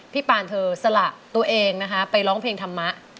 ปานเธอสละตัวเองนะคะไปร้องเพลงธรรมะ